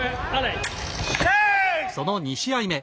その２試合目。